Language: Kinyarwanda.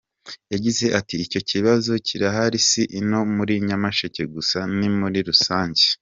Yagize ati “Icyo kibazo kirahari, si ino muri Nyamasheke gusa, ni muri rusange.